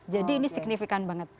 jadi ini signifikan banget